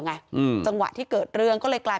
จังหวะที่เกิดเรื่องก็เลยกลาย